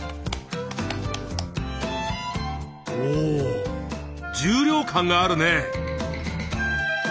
おお重量感があるね。